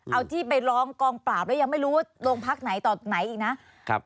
เอาที่ไปร้องกองปราบแล้วยังไม่รู้ว่าโรงพักไหนต่อไหนอีกนะครับ